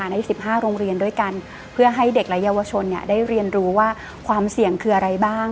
ใน๑๕โรงเรียนด้วยกันเพื่อให้เด็กและเยาวชนได้เรียนรู้ว่าความเสี่ยงคืออะไรบ้าง